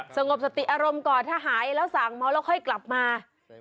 สงบสติอารมณ์ก่อนถ้าหายแล้วสั่งเมาแล้วค่อยกลับมา